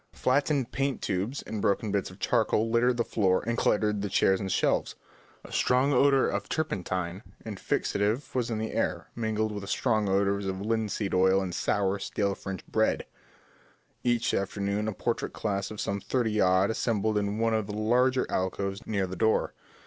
Flattened paint tubes and broken bits of charcoal littered the floor and cluttered the chairs and shelves. A strong odour of turpentine and fixative was in the air, mingled with the stronger odours of linseed oil and sour, stale French bread. Every afternoon a portrait class of some thirty odd assembled in one of the larger alcoves near the door.